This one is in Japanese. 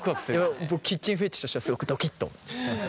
キッチンフェチとしてはすごくドキッとしますよね。